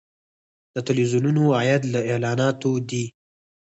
د تلویزیونونو عاید له اعلاناتو دی